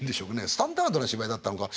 スタンダードな芝居だったのか。